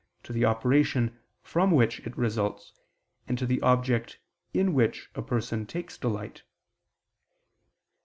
to the operation from which it results, and to the object in which a person takes delight.